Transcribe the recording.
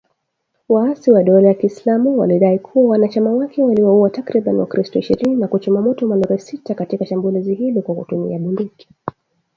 Waasi wa dola ya kiislamu walidai kuwa wanachama wake waliwauwa takribani wakristo ishirini na kuchoma moto malori sita katika shambulizi hilo kwa kutumia bunduki